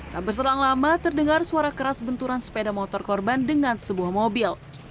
tak berselang lama terdengar suara keras benturan sepeda motor korban dengan sebuah mobil